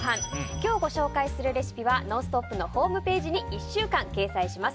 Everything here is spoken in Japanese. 今日ご紹介するレシピは「ノンストップ！」のホームページに１週間掲載します。